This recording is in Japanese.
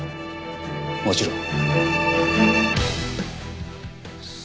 もちろん。